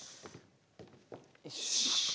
よし。